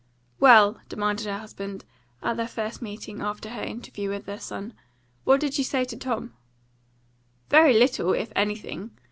"Well," demanded her husband, at their first meeting after her interview with their son, "what did you say to Tom?" "Very little, if anything.